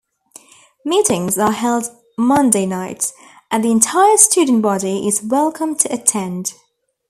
Meetings are held Monday nights, and the entire student body is welcome to attend.